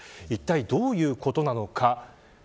いったいどういうことなのか。